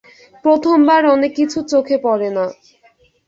প্রথম বার অনেক কিছু চোখে পড়ে না।